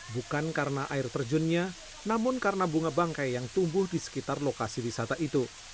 bukan karena air terjunnya namun karena bunga bangkai yang tumbuh di sekitar lokasi wisata itu